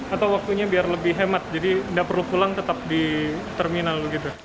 atau waktunya biar lebih hemat jadi nggak perlu pulang tetap di terminal begitu